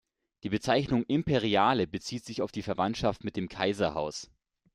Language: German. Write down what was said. Die Bezeichnung "Imperiale" bezieht sich auf die Verwandtschaft mit dem Kaiserhaus.